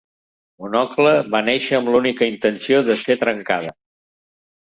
Monocle va néixer amb l'única intenció de ser trencada.